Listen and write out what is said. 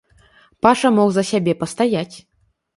Паша мог за сябе пастаяць.